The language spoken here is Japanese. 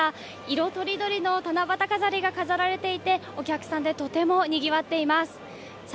色とりどりの七夕飾りが飾られていてお客さんでとてもにぎわっています。